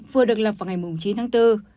vừa được lập vào ngày chín tháng bốn